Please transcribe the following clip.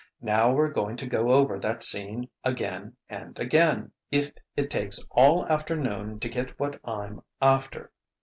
Now we're going to go over that scene again and again, if it takes all afternoon to get what I'm after.